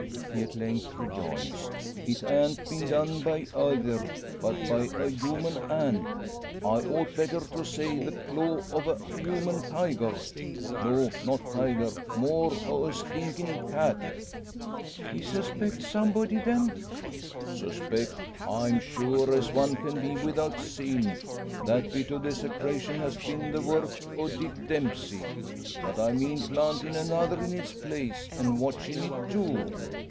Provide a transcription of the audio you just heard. he at length rejoins; "it han't been done by eyther; but by a human hand I ought better to say the claw o' a human tiger. No, not tiger; more o' a stinkin' cat!" "Ye suspect somebody, then?" "Suspect! I'm sure, as one can be without seein', that bit o' desecrashun ha' been the work o' Dick Dempsey. But I mean plantin' another in its place, an' watchin' it too.